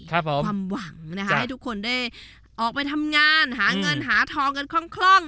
ความหวังนะคะให้ทุกคนได้ออกไปทำงานหาเงินหาทองกันคล่อง